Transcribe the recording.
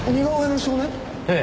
ええ。